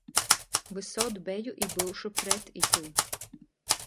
Vysod beju i byušu pret itū.